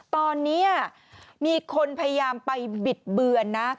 ตอนนี้มีคนพยายามไปบิดเบือนนะ